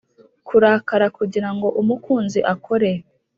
kurakara kugirango umukunzi akore;